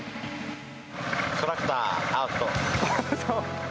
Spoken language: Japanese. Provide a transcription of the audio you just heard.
トラクター、アウト。